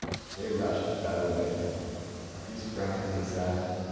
They rushed bellowing at him. He sprang to the side.